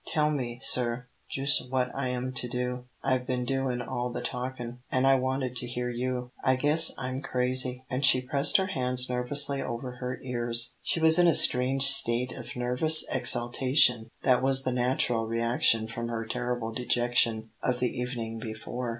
Tell me, sir, jus' what I am to do. I've been doin' all the talkin', an' I wanted to hear you. I guess I'm crazy," and she pressed her hands nervously over her ears. She was in a strange state of nervous exaltation that was the natural reaction from her terrible dejection of the evening before.